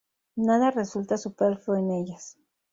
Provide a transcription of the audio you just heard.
Nada resulta superfluo en ellas.